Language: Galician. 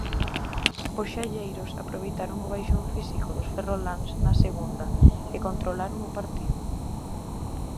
Os xalleiros aproveitaron o baixón físico dos ferroláns na segunda, e controlaron o partido.